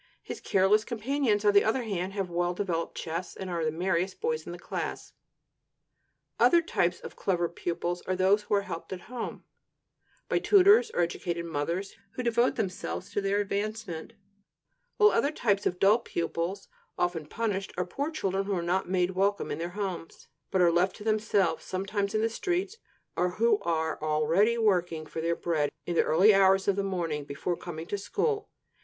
His careless companions, on the other hand, have well developed chests, and are the merriest boys in the class. Other types of clever pupils are those who are helped at home by tutors, or educated mothers who devote themselves to their advancement; while other types of dull pupils, often punished, are poor children who are not made welcome in their homes, but are left to themselves, sometimes in the streets; or who are already working for their bread in the early hours of the morning, before coming to school.